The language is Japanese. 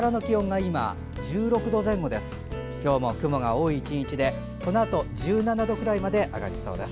今日も雲が多い１日でこのあと１７度くらいまで上がりそうです。